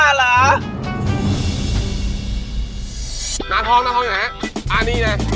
อ่ะนี่ไง